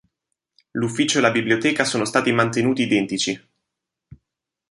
L'ufficio e la biblioteca sono stati mantenuti identici.